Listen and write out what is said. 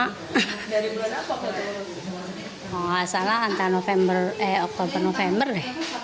kalau nggak salah antara oktober november deh